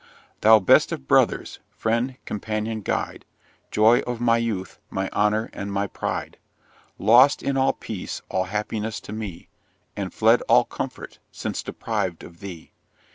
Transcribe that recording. Thou best of brothers friend, companion, guide, Joy of my youth, my honour, and my pride! Lost is all peace all happiness to me, And fled all comfort, since deprived of thee.